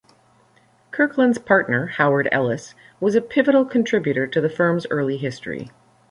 Kirkland's partner, Howard Ellis, was a pivotal contributor to the firm's early history.